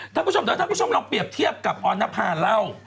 ท่านผู้ชมเราเปรียบเทียบกับออนภาเล่า